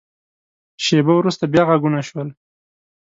شیبه وروسته، بیا غږونه شول.